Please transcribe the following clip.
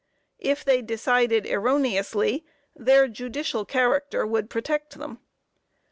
If they decided erroneously, their judicial character would protect them.